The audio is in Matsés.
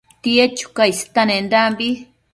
tied chuca istenendambi